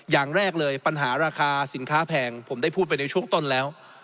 อย่างแรกเลยปัญหาราคาสินค้าแพงผมได้พูดไปในช่วงต้นแล้ว